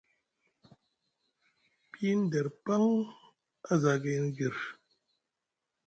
Piyini der paŋ a za gayni gir.